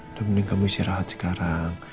udah mending kamu istirahat sekarang